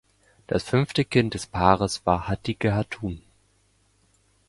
Das fünfte Kind des Paares war Hatice Hatun.